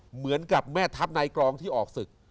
เหมือนกับแม่ทัพในกรองที่ออกศึก